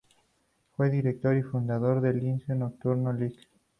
Fue director y fundador del Liceo Nocturno Lic.